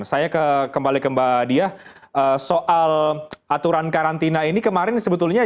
saya kembali ke mbak diah soal aturan karantina ini kemarin sebetulnya